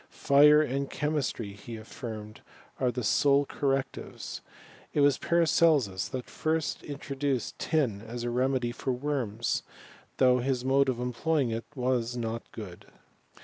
Fire and chemistry, he affirmed, are the sole correctives. It was Paracelsus that first introduced tin as a remedy for worms, though his mode of employing it was not good.